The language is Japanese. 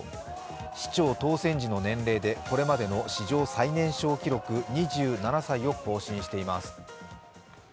市長当選時の年齢でこれまでの史上最年少記録２７歳を更新しています。